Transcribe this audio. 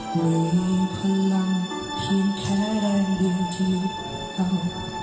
เหนื่อยพลังเพียงแค่แรงดินที่หยุดเตา